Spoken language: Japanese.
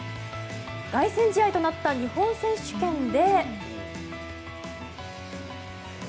凱旋試合となった日本選手権で。